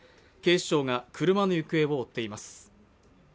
警視庁が車の行方を追っています。